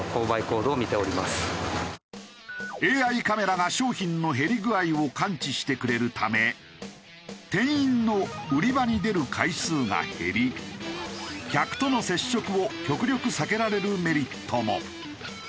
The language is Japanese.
ＡＩカメラが商品の減り具合を感知してくれるため店員の売り場に出る回数が減り客との接触を極力避けられるメリットも。